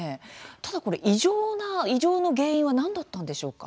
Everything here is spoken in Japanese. ただ、これ異常の原因は何だったんでしょうか？